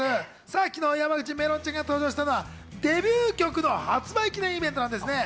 昨日、山口めろんちゃんが登場したのは、デビュー曲の発売記念イベントなんですね。